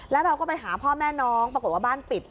แล้วเราก็ไปหาพ่อแม่น้องปรากฏว่าบ้านปิด